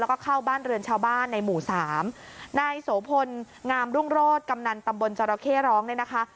แล้วก็เข้าบ้านเรือนชาวบ้านในหมู่สามนายโสพลงามรุ่งโรศกำนันตำบลจรเข้ร้องเนี่ยนะคะ